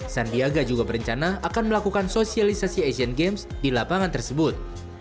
sandiaga juga berencana akan melakukan sosialisasi asian games di lapangan tersebut